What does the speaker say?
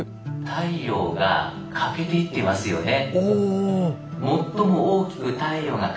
太陽が欠けていってますよね。